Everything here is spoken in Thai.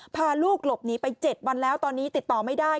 พาลูกหลบหนีไป๗วันแล้วตอนนี้ติดต่อไม่ได้